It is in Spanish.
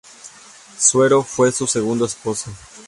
Suero fue su segundo esposo.